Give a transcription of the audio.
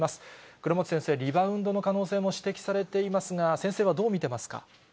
倉持先生、リバウンドの可能性も指摘されていますが、先生はどう見てますか。